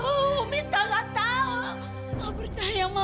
minta percaya ma